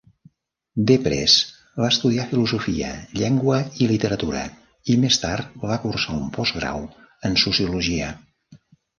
Deprez va estudiar filosofia, llengua i literatura, i més tard va cursar un postgrau en sociologia.